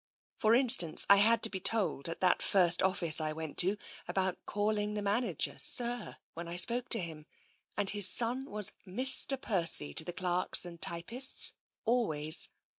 For instance, I had to be told, at that first office I went to, about calling the manager ' sir ' when I spoke to him, and his son was ' Mr. Percy ' to the clerks and typists, always.